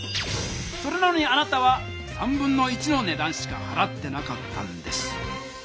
それなのにあなたは1/3のねだんしかはらってなかったんです。